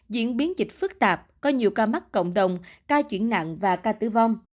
diễn biến dịch phức tạp có nhiều ca mắc cộng đồng ca chuyển nặng và ca tử vong